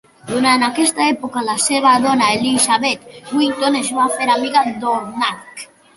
Durant aquesta època la seva dona, Elizabeth Whitton, es va fer amiga d"Oonark.